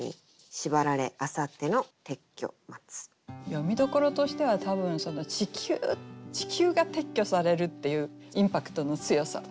読みどころとしては多分「ちきゅう」が撤去されるっていうインパクトの強さ。